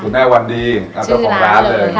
คุณแม่วันดีเอาตัวของร้านเลย